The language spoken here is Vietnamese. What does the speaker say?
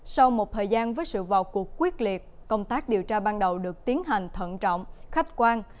sau một thời gian với sự vào cuộc quyết liệt công tác điều tra ban đầu được tiến hành thận trọng khách quan